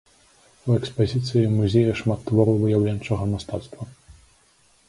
У экспазіцыі музея шмат твораў выяўленчага мастацтва.